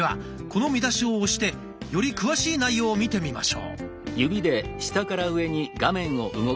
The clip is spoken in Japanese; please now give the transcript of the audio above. この見出しを押してより詳しい内容を見てみましょう。